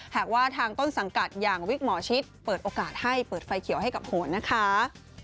หากว่าทางต้นสังกัดอย่างวิกหมอชิตเปิดโอกาสให้เปิดไฟเขียวให้กับโหนนะคะ